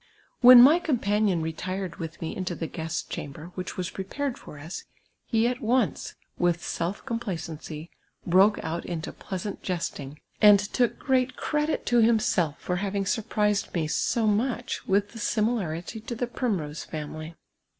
AMien my companion retired with me into the guest cham ber, which was prepared for us, he at once, with self com placency, broke out into pleasant jesting, and took great credit to himself for having surprised me so much with the similarity to the Primrose family.